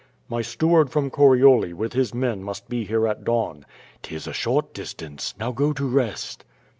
"Jfy steward from Corioli with his men must be here at dawn." " 'Tis a short distance; now go to rest."